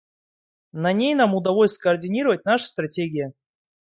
На ней нам удалось скоординировать наши стратегии.